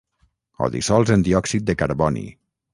Ho dissols en diòxid de carboni.